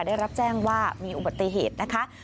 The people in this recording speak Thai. ได้รับแจ้งว่ามีอุบัติเหตุนะคะ